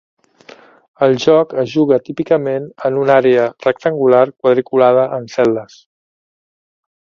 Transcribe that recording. El joc es juga típicament en una àrea rectangular quadriculada en cel·les.